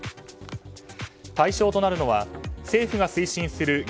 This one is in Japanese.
対象となるのは、政府が推進するＧＩＧＡ